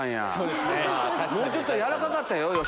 もうちょっと柔らかかったよ